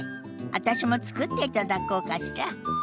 私も作っていただこうかしら。